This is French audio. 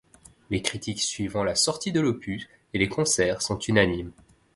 Les critiques suivant la sortie de l'opus et les concerts sont unanimes.